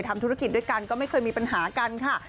ทำธุรกิจด้วยกันก็ไม่เคยมีปัญหากันค่ะ